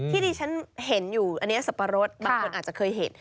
ที่ดิฉันเห็นอยู่อันนี้สับปะรดบางคนอาจจะเคยเห็น